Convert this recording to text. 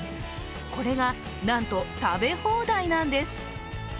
これがなんと食べ放題なんです。